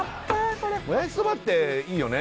これもやしそばっていいよね